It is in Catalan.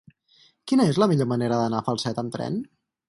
Quina és la millor manera d'anar a Falset amb tren?